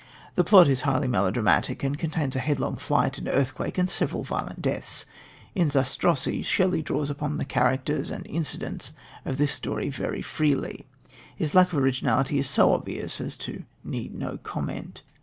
The plot is highly melodramatic, and contains a headlong flight, an earthquake and several violent deaths. In Zastrozzi, Shelley draws upon the characters and incidents of this story very freely. His lack of originality is so obvious as to need no comment.